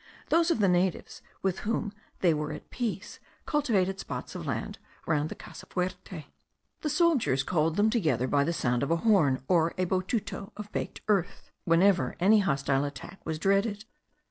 Those of the natives with whom they were at peace cultivated spots of land round the casa fuerte. The soldiers called them together by the sound of the horn, or a botuto of baked earth, whenever any hostile attack was dreaded.